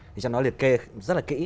thì trong đó liệt kê rất là kỹ